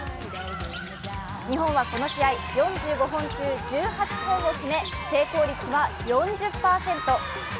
日本はこの試合、４５本中１８本を決め成功率は４０％。